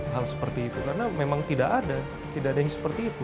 hal seperti itu karena memang tidak ada tidak ada yang seperti itu